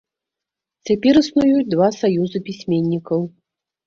Цяпер існуюць два саюзы пісьменнікаў.